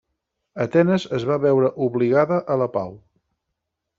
Atenes es va veure obligada a la pau.